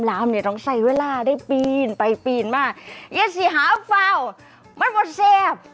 ความเดียวต้องไส่เวลาได้ปีนใหม่ปีนมาใช่สี้หาเปล่าไม่มันจุดแทรก